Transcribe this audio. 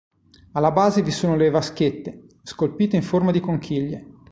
Alla base vi sono le vaschette, scolpite in forma di conchiglie.